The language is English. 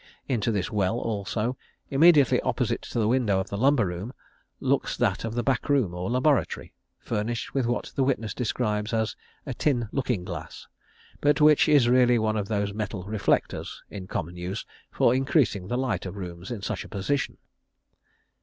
Into this well, also, immediately opposite to the window of the lumber room, looks that of the backroom or laboratory, furnished with what the witness describes as a "tin looking glass," but which is really one of those metal reflectors, in common use, for increasing the light of rooms in such a position.